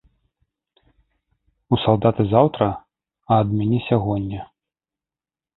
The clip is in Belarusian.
У салдаты заўтра, а ад мяне сягоння.